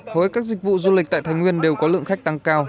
hầu hết các dịch vụ du lịch tại thái nguyên đều có lượng khách tăng cao